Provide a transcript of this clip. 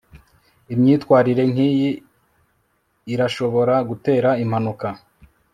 imyitwarire nkiyi irashobora gutera impanuka